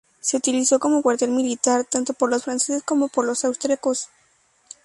Se utilizó como cuartel militar tanto por los franceses como por los austriacos.